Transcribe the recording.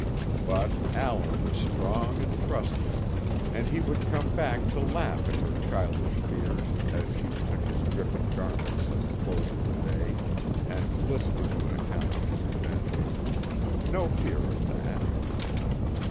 But Allan was strong and trusty, and he would come back to laugh at her childish fears as she took his dripping garments at the close of the day, and listened to an account of his adventures, no fear of that.